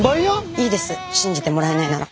いいです信じてもらえないなら。